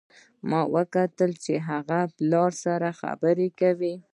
ما وکتل چې هغه خپل پلار سره خبرې کوي